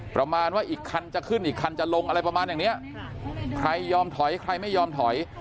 ประมาณว่าอีกคันจะขึ้นอีกคันจะลงอะไรประมาณอย่างเนี้ยใครยอมถอยใครไม่ยอมถอย